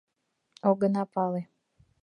— Огына пале!